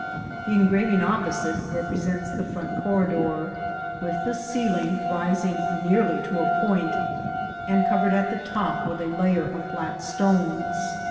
The engraving opposite represents the front corridor, with the ceiling rising nearly to a point, and covered at the top with a layer of flat stones.